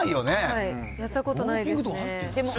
やったことないですね。